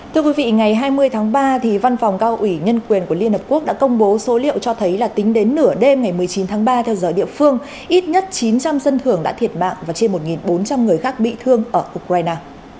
thưa quý vị ngày hai mươi tháng ba văn phòng cao ủy nhân quyền của liên hợp quốc đã công bố số liệu cho thấy là tính đến nửa đêm ngày một mươi chín tháng ba theo giờ địa phương ít nhất chín trăm linh dân thường đã thiệt mạng và trên một bốn trăm linh người khác bị thương ở ukraine